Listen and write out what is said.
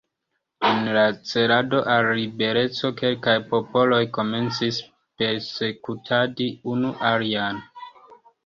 En la celado al libereco kelkaj popoloj komencis persekutadi unu alian.